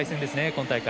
今大会。